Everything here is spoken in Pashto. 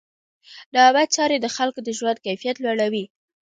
عامه چارې د خلکو د ژوند کیفیت لوړوي.